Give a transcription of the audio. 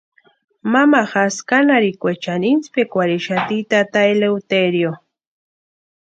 Mamajasï kánharhikwechani intsïpikwarhixati tata Eleuterio.